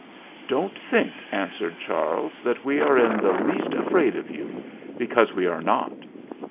"Don't think," answered Charles, "that we are in the least afraid of you, because we are not.